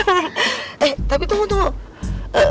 eh tapi tunggu tunggu